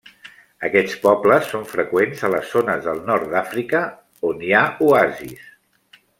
Aquests pobles són freqüents a les zones del nord d'Àfrica on hi ha oasis.